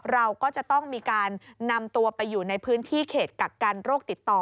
เราก็จะต้องมีการนำตัวไปอยู่ในพื้นที่เขตกักกันโรคติดต่อ